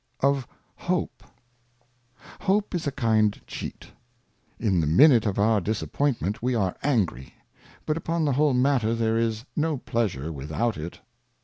Of HOPE. HOPE is a kind Cheat ; in the Minute of our Disappoint ment we are angry, but upon the whole matter there is no Pleasure vidthout it.